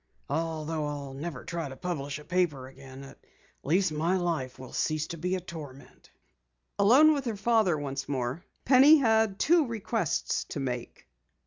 Although I'll never try to publish a paper again, at least my life will cease to be a torment." Alone with her father once more, Penny had two requests to make.